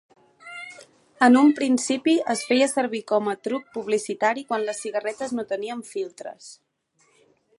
En un principi es feia servir com a truc publicitari quan les cigarretes no tenien filtres.